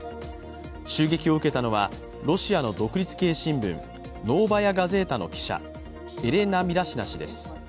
襲撃を受けたのはロシアの独立系新聞「ノーバヤ・ガゼータ」の記者、エレナ・ミラシナ氏です。